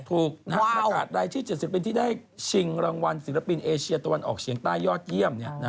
ประกาศรายชื่อ๗๐ปีที่ได้ชิงรางวัลศิลปินเอเชียตะวันออกเฉียงใต้ยอดเยี่ยม